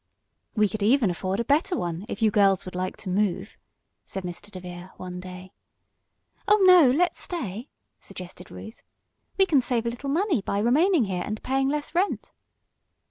"We could even afford a better one, if you girls would like to move," said Mr. DeVere one day. "Oh, no, let's stay," suggested Ruth. "We can save a little money by remaining here, and paying less rent."